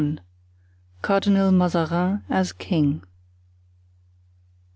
Cardinal Mazarin as King.